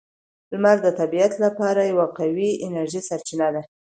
• لمر د طبیعت لپاره یوه قوی انرژي سرچینه ده.